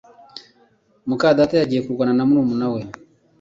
muka data yagiye kurwana na murumuna we. (Spamster)